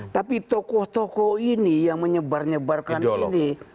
tapi tokoh tokoh ini yang menyebar nyebarkan ini